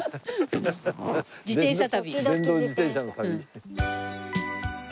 「自転車旅」。